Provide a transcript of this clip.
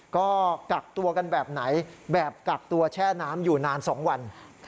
ก็กักตัวกันแบบไหนแบบกักตัวแช่น้ำอยู่นาน๒วัน